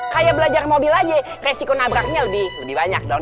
kayak belajar mobil aja resiko nabraknya lebih banyak dong